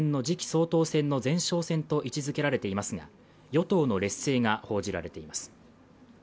総統選の前哨戦と位置づけられていますが与党の劣勢が報じられています